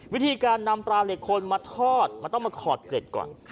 วิธีการนำปลาเหล็กคนมาทอดมันต้องมาขอดเกร็ดก่อน